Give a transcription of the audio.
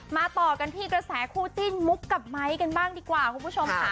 ต่อกันที่กระแสคู่จิ้นมุกกับไม้กันบ้างดีกว่าคุณผู้ชมค่ะ